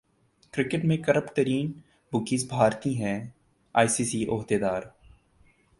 cricket میں کرپٹ ترین بکیز بھارتی ہیں ائی سی سی عہدیدار